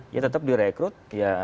dia tetap di rekrut